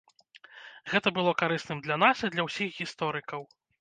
Гэта было карысным для нас і для ўсіх гісторыкаў.